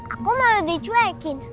aku malah dicuekin